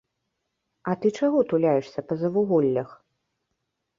А ты чаго туляешся па завуголлях?